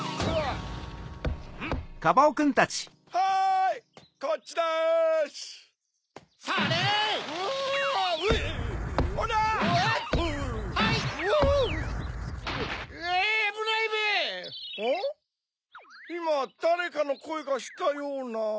いまだれかのこえがしたような。